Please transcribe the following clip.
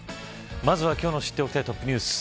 まずは今日の知っておきたいトップニュース